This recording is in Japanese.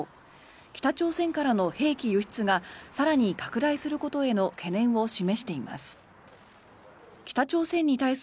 北朝鮮からの兵器輸出が更に拡大することへの懸念を示しています。